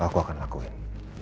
aku akan lakuin